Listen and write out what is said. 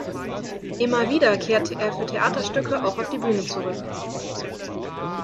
Immer wieder kehrte er für Theaterstücke auch auf die Bühne zurück.